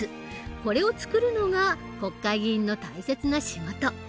これを作るのが国会議員の大切な仕事。